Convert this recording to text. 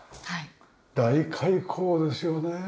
大開口ですよね。